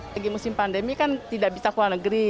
lagi musim pandemi kan tidak bisa keluar negeri